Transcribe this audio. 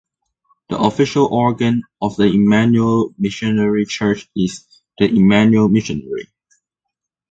The official organ of the Immanuel Missionary Church is "The Immanuel Missionary".